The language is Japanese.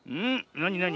なになに？